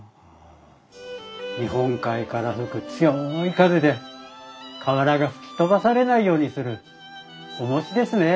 日本海から吹く強い風で瓦が吹き飛ばされないようにするおもしですね。